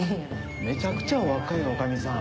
めちゃくちゃ若い女将さん。